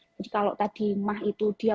jadi kalau tadi mah itu dia